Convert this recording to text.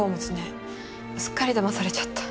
すっかり騙されちゃった。